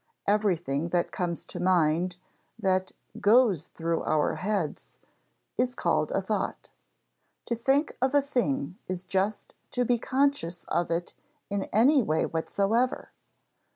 Everything that comes to mind, that "goes through our heads," is called a thought. To think of a thing is just to be conscious of it in any way whatsoever.